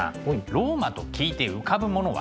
ローマと聞いて浮かぶものは？